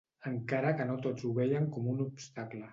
Encara que no tots ho veien com un obstacle.